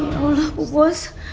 ya allah bu bos